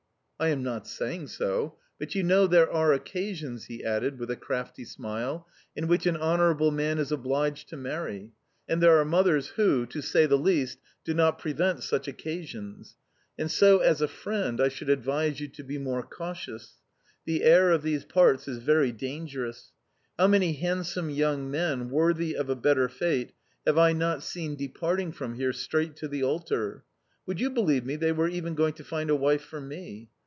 "I am not saying so... But you know there are occasions..." he added, with a crafty smile "in which an honourable man is obliged to marry, and there are mothers who, to say the least, do not prevent such occasions... And so, as a friend, I should advise you to be more cautious. The air of these parts is very dangerous. How many handsome young men, worthy of a better fate, have I not seen departing from here straight to the altar!... Would you believe me, they were even going to find a wife for me!